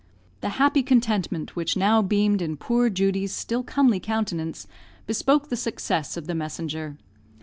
The happy contentment which now beamed in poor Judy's still comely countenance bespoke the success of the messenger.